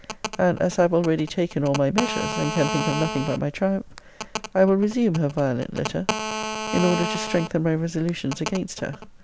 And as I have already taken all my measures, and can think of nothing but my triumph, I will resume her violent letter, in order to strengthen my resolutions against her.